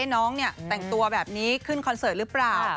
น้องเนี่ยแต่งตัวแบบนี้ขึ้นคอนเสิร์ตหรือเปล่า